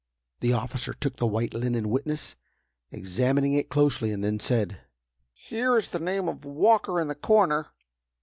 The officer took the white linen witness, examining it closely, and then said: "Here is the name of 'Walker,' in the corner.